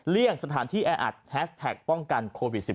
สถานที่แออัดแฮสแท็กป้องกันโควิด๑๙